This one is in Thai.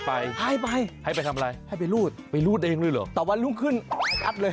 ให้ไปทำอะไรไปรูดแต่วันรุ่งขึ้นอัดเลย